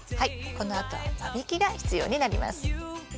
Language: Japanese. このあとは間引きが必要になります。